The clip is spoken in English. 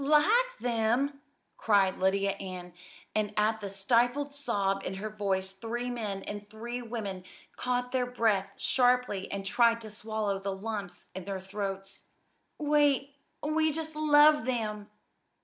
"'Like them'!" cried Lydia Ann, and at the stifled sob in her voice three men and three women caught their breath sharply and tried to swallow the lumps in their throats. "We we just love them!"